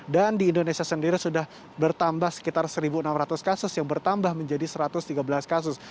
dan di indonesia sendiri sudah bertambah sekitar satu enam ratus kasus yang bertambah menjadi satu ratus tiga belas kasus